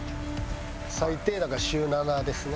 最低だから週７ですね。